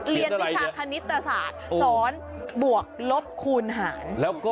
เรียนวิชาคณิตศาสตร์สอนบวกลบคูณหาร